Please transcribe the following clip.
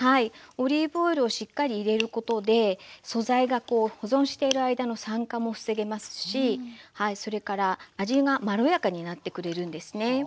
オリーブオイルをしっかり入れることで素材が保存している間の酸化も防げますしそれから味がまろやかになってくれるんですね。